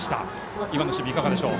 今の守備はいかがでしょう。